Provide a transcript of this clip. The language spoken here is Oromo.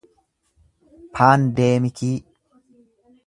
paandeemikii